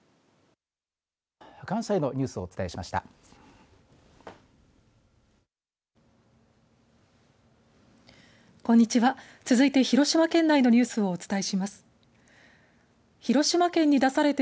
関西のニュースをお伝えしました。